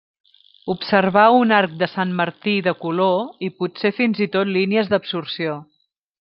Observà un arc de Sant-Martí de color, i potser fins i tot línies d'absorció.